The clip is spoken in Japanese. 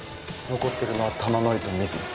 残ってるのは玉乃井と水野。